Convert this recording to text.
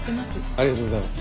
ありがとうございます。